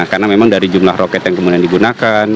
karena memang dari jumlah roket yang kemudian digunakan